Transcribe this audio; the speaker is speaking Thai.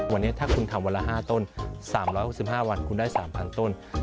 วันนี้ถ้าคุณทำวันละ๕ต้น๓๖๕วันคุณได้๓๐๐ต้น